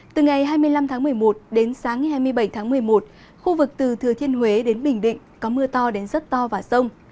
từ ngày hai mươi năm tháng một mươi một đến sáng ngày hai mươi bảy tháng một mươi một khu vực từ thừa thiên huế đến bình định có mưa to đến rất to và rông